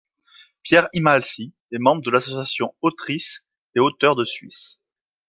Pierre Imhalsy est membre de l'association Autrices et auteurs de Suisse.